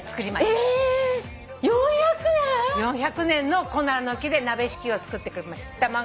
４００年のコナラの木で鍋敷きを作ってくれました。